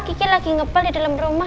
kiki lagi ngebal di dalam rumah